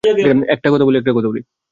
একটা কথা বলি।